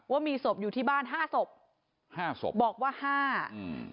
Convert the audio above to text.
ว่ามีศพอยู่ที่บ้านห้าศพห้าศพบอกว่าห้าอืม